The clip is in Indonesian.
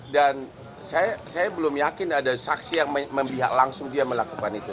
dan saya belum yakin ada saksi yang membiak langsung dia melakukan itu